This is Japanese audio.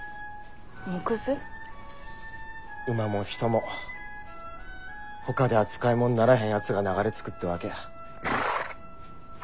馬も人もほかでは使いもんにならへんやつらが流れつくってわけや。